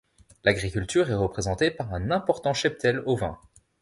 L'agriculture est représentée par un important cheptel ovin.